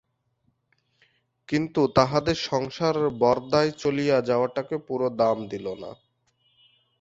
কিন্তু তাহাদের সংসার বরদার চলিয়া যাওয়াটাকেও পুরা দাম দিল না।